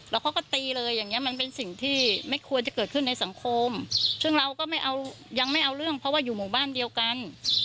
แล้วเขาก็ตีเลยอย่างเงี้มันเป็นสิ่งที่ไม่ควรจะเกิดขึ้นในสังคมซึ่งเราก็ไม่เอายังไม่เอาเรื่องเพราะว่าอยู่หมู่บ้านเดียวกัน